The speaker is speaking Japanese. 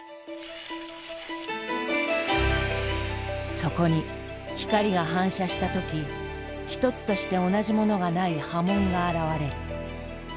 そこに光が反射した時一つとして同じものがない刃文があらわれる。